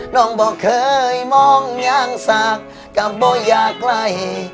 น้องบ่เคยมองอย่างสากก็บ่อยากไหล